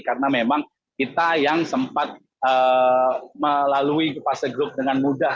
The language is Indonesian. karena memang kita yang sempat melalui fase grup dengan mudah